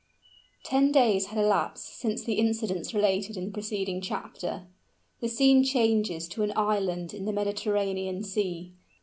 Ten days had elapsed since the incidents related in the preceding chapter. The scene changes to an island in the Mediterranean Sea.